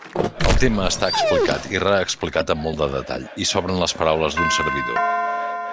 El tema està explicat i reexplicat amb molt de detall i sobren les paraules d'un servidor.